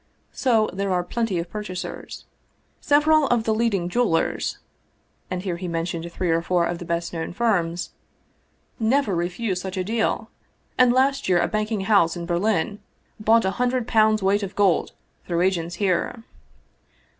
So there are plenty of purchasers. Several of the leading jewelers " (and here he named three or four of the best known firms) " never refuse such a deal, and last year a banking house in Berlin bought a hundred pounds' weight of gold through agents here.